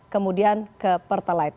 kemudian ke pertalite